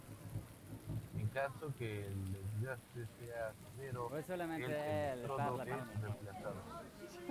En caso que el desgaste sea severo, el electrodo es reemplazado.